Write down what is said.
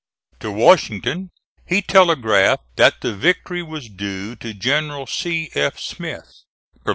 To Washington he telegraphed that the victory was due to General C. F.